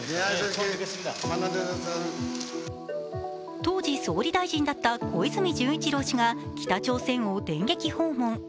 当時、総理大臣だった小泉純一郎氏が北朝鮮を電撃訪問。